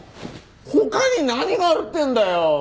他に何があるってんだよ！